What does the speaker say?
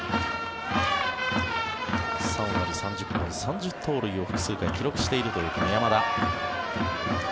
３割、３０本、３０盗塁を複数回記録している山田。